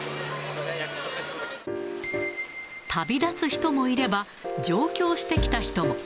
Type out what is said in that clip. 旅立つ人もいれば、上京してきた人も。